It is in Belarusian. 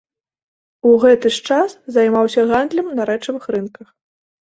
У гэты ж час займаўся гандлем на рэчавых рынках.